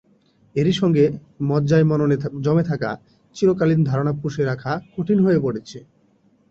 এরই সঙ্গে মজ্জায়-মননে জমে থাকা চিরকালীন ধারণা পুষে রাখা কঠিন হয়ে পড়ছে।